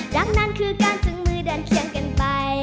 ดังนั้นคือการจึงมือเดินเคียงกันไป